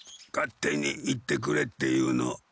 勝手に行ってくれっていうの。